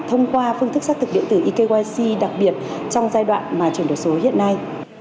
thông qua phương thức xác thực điện tử ekyc đặc biệt trong giai đoạn mà chuyển đổi số hiện nay